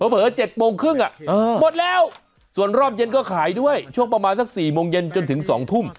เผลอ๗โมงครึ่งหมดแล้วส่วนรอบเย็นก็ขายด้วยช่วงประมาณสัก๔โมงเย็นจนถึง๒ทุ่ม